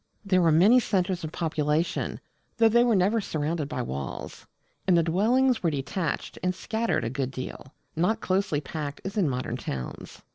There were many centres of population, though they were never surrounded by walls; and the dwellings were detached and scattered a good deal not closely packed as in modern towns.